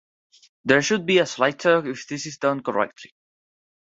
There should be a slight tug if this is done correctly.